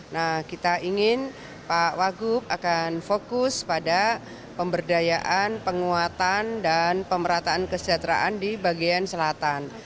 nah kita ingin pak wagub akan fokus pada pemberdayaan penguatan dan pemerataan kesejahteraan di bagian selatan